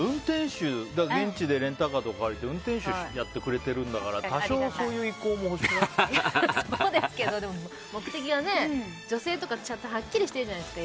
現地でレンタカー借りて運転手やってくれてるんだからでも、目的が女性とかはっきりしてるじゃないですか。